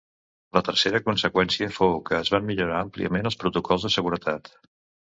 La tercera conseqüència fou que es van millorar àmpliament els protocols de seguretat.